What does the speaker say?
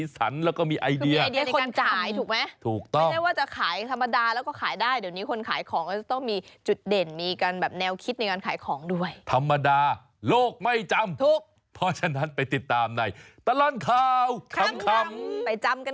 สมบัติว่าโลกไม่จำพอฉะนั้นไปติดตามในตลอดข่าวขำ